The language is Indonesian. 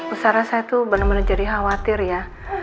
usara saya tuh bener bener jadi khawatir ya